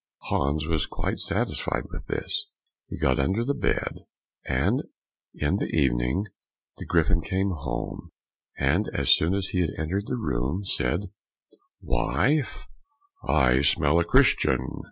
Hans was quite satisfied with this, and got under the bed. In the evening, the Griffin came home, and as soon as he entered the room, said, "Wife, I smell a Christian."